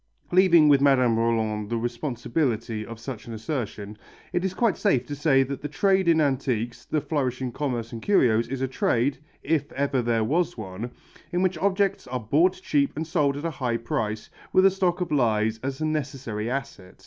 Leaving with Mme Rolland the responsibility of such an assertion, it is quite safe to say that the trade in antiques, the flourishing commerce in curios, is a trade, if ever there was one, in which objects are bought cheap and sold at a high price, with a stock of lies as a necessary asset.